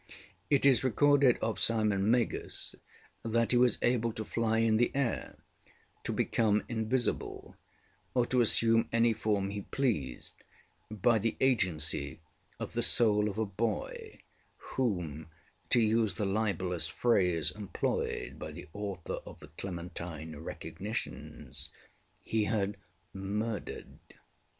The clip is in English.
ŌĆ£It is recorded of Simon Magus that he was able to fly in the air, to become invisible, or to assume any form he pleased, by the agency of the soul of a boy whom, to use the libellous phrase employed by the author of the Clementine Recognitions, he had ŌĆśmurderedŌĆÖ.